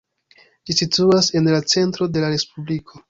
Ĝi situas en la centro de la respubliko.